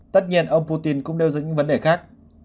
tất nhiên ông putin cũng đeo dẫn những vấn đề khác